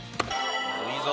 いいぞ！